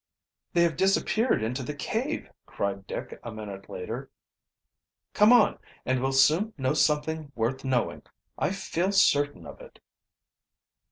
"They have disappeared into the cave." Cried Dick a minute later. "Come on, and we'll soon know something worth knowing, I feel certain of it."